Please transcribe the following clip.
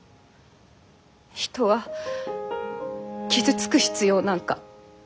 人は傷つく必要なんかない。